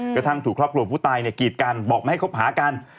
กระทั่งถูกครอบครัวผู้ตายกีดกันบอกไม่ให้คบหากัน